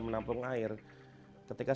menampung air ketika